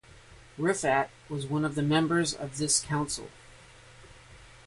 Rifaat was one of the members of this council.